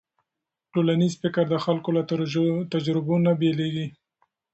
ټولنیز فکر د خلکو له تجربو نه بېلېږي.